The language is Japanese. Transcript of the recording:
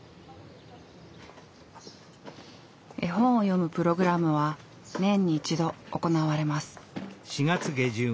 絵本を読むプログラムは年に１度行われます。